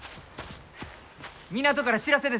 港から知らせです！